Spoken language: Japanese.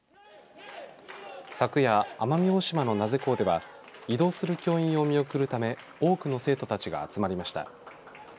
昨夜、奄美大島の名瀬港では移動する教員を見送るため多くの生徒たちが集まりました。